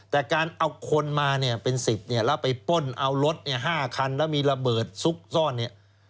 แต่การเอาคนมาเป็น๑๐แล้วไปป้นเอารถ๕คันแล้วมีระเบิดซุกซ่อน